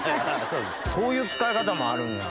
そういう使い方もあるんや。